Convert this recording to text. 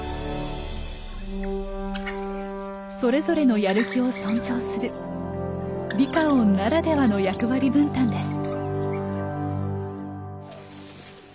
それぞれのやる気を尊重するリカオンならではの役割分担です。